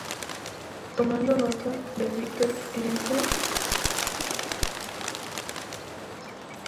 Tomando nota del Víctor Erice de "El espíritu de la colmena".